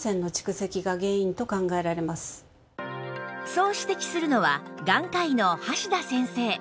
そう指摘するのは眼科医の橋田先生